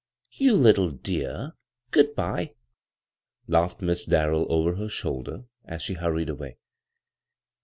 "You Uttle dear !— good bye !" laughed Miss Darrell over her shoulder; as she hurried •vay.